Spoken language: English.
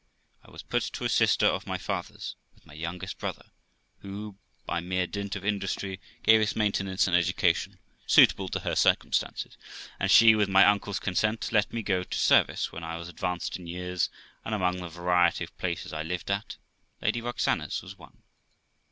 I was put to a sister of my father's with my youngest brother, who, by mere dint of industry, gave us maintenance and education suitable to her circumstances; and she, with my uncle's consent, let me go to service when I was advanced in years; and among the variety of places I lived at, Lady Roxana's was one.'